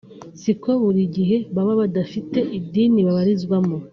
si ko buri gihe baba badafite idini babarizwamo